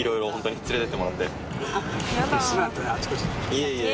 いえいえ。